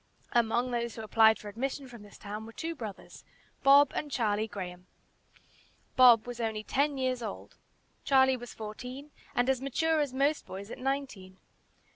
Among those who applied for admission from this town were two brothers, Bob and Charlie Graham. Bob was only ten years old. Charlie was fourteen, and as mature as most boys at nineteen.